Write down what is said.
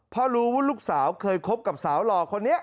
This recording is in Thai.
เพราะรู้ว่าลูกสาวเคยคบกับสาวหล่อคนนี้